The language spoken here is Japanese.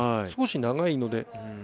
少し長いので。